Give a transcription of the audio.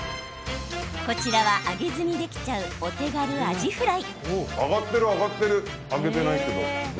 こちらは揚げずにできちゃうお手軽アジフライ。